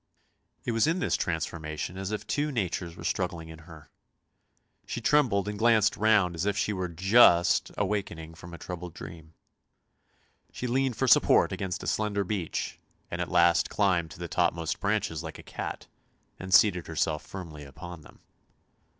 It was in this transformation as if two natures were struggling in her; she trombled and glanced round as if she w r ere just THE MARSH KING'S DAUGHTER 295 awaking from a troubled dream. She leaned for support against a slender beech, and at last climbed to the topmost branches like a cat, and seated herself firmly upon them.